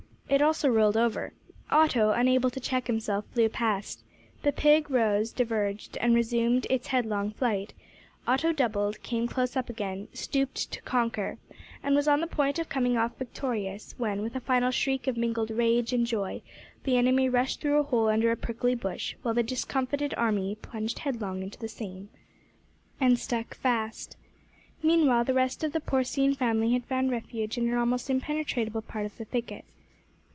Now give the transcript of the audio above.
It also rolled over. Otto, unable to check himself, flew past. The pig rose, diverged, and resumed its headlong flight. Otto doubled, came close up again, "stooped to conquer," and was on the point of coming off victorious, when, with a final shriek of mingled rage and joy, the enemy rushed through a hole under a prickly bush, while the discomfited army plunged headlong into the same, and stuck fast. Meanwhile the rest of the porcine family had found refuge in an almost impenetrable part of the thicket.